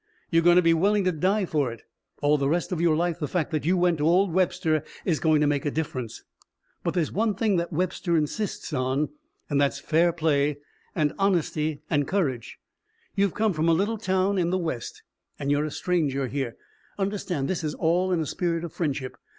You're going to be willing to die for it. All the rest of your life the fact that you went to old Webster is going to make a difference. But there's one thing that Webster insists on and that's fair play. And honesty and courage. You've come from a little town in the West and you're a stranger here. Understand, this is all in a spirit of friendship.